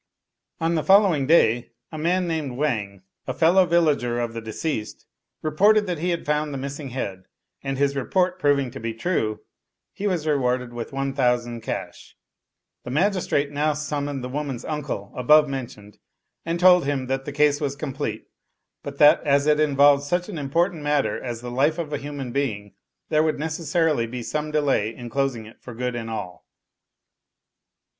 On the following day, a man named Wang, a fellow vil lager of the deceased, reported that he had found the miss ing head; and his report proving to be true, he was re warded with 1,000 cash. The magistrate now summoned the woman's uncle above mentioned, and told him that the case was complete, but that as it involved such an important matter as the life of a human being, there would necessarily be some delay in closing it for good and all.